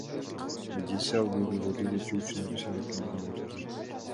Эжеси ал көйгөйлөрдү чечүү үчүн Орусияга кеткендигин айтууда.